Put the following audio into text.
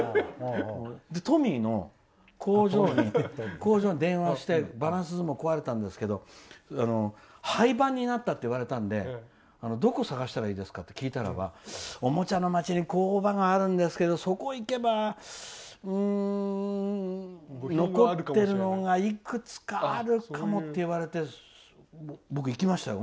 トミーの工場に電話してバランス相撲壊れたんですけど廃盤になったって言われたのでどこを探したらいいですかって聞いたらばおもちゃのまちに工場があるんですけどそこに行けば、残っているのがいくつかあるかもって言われて僕、行きましたよ。